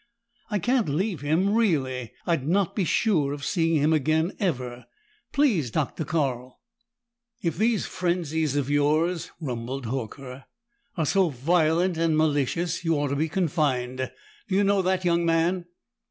"I can't leave him, really. I'd not be sure of seeing him again, ever. Please, Dr. Carl!" "If these frenzies of yours," rumbled Horker, "are so violent and malicious, you ought to be confined. Do you know that, young man?"